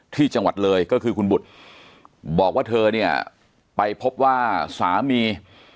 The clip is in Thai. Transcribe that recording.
ที่จังหวัดเลยก็คือคุณบุตรบอกว่าเธอเนี่ยไปพบว่าสามี